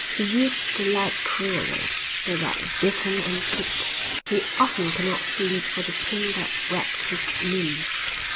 He used the lad cruelly so that, beaten and kicked, he often could not sleep for the pain that racked his limbs.